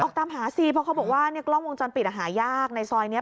ตามหาสิเพราะเขาบอกว่ากล้องวงจรปิดหายากในซอยนี้